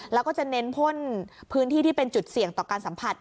แล้วก็จะเน้นพ่นพื้นที่ที่เป็นจุดเสี่ยงต่อการสัมผัส